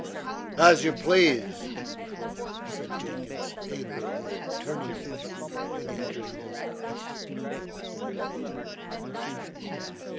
"As you please," said Jenkins angrily, turning away, and entering his house.